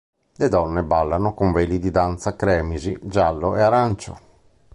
Le donne ballano con veli di danza cremisi, giallo e arancio.